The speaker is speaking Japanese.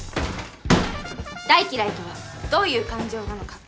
「大嫌いとはどういう感情なのか？」